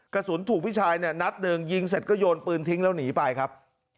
กระสุนถูกพี่ชายเนี่ยนัดหนึ่งยิงเสร็จก็โยนปืนทิ้งแล้วหนีไปครับ